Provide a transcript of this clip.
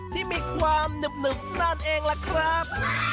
ที่มีความหนึบนั่นเองล่ะครับ